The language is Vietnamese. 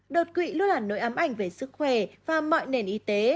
đột quỵ luôn là nỗi ám ảnh về sức khỏe và mọi nền y tế